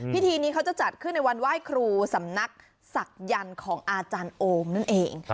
พิธีนี้เขาจะจัดขึ้นในวันไหว้ครูสำนักศักยันต์ของอาจารย์โอมนั่นเอง